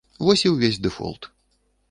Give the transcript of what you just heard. Вось і ўвесь дэфолт.